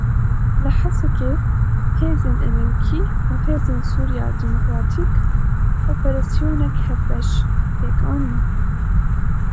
Li Hesekê hêzên Amerîkî û Hêzên Sûriya Demokratîk operasyoneke hevbeş pêk anîn.